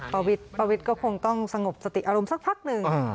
ป้าวิทย์ก็คงต้องสงบสติอารมณ์สักพักหนึ่ง